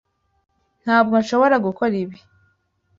Ntabwo nshobora gukora ibi.